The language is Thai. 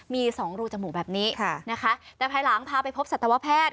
มีสองรูจมูกแบบนี้นะคะแต่ภายหลังพาไปพบสัตวแพทย์